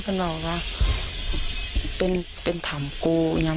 แต่ตามน่าเกอร์โซเรดนะคงเลยต่าง